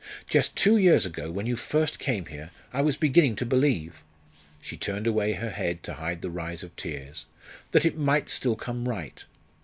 "Just two years ago, when you first came here, I was beginning to believe" she turned away her head to hide the rise of tears "that it might still come right."